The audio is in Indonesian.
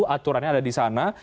aturannya ada di sana